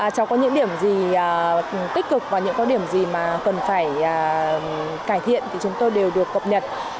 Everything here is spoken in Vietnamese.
cháu có những điểm gì tích cực và những có điểm gì mà cần phải cải thiện thì chúng tôi đều được cập nhật